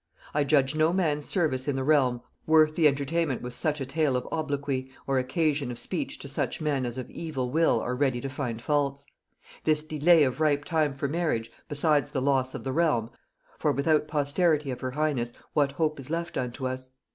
I judge no man's service in the realm worth the entertainment with such a tale of obloquy, or occasion of speech to such men as of evil will are ready to find faults. This delay of ripe time for marriage, besides the loss of the realm (for without posterity of her highness what hope is left unto us?)